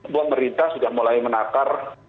pemerintah sudah mulai menakar